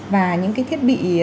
và những cái thiết bị